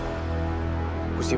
tentu seorang yang cerita